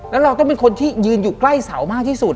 แล้วเราต้องเป็นคนที่ยืนอยู่ใกล้เสามากที่สุด